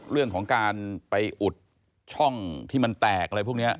เรื่องของการไปอุดช่องที่มันแตกอะไรพวกนี้